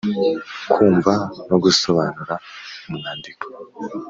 Kumva no gusobanura umwandiko .